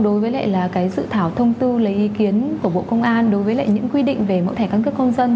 dự thảo thông tư lấy ý kiến của bộ công an đối với lại những quy định về mẫu thẻ căn cước công dân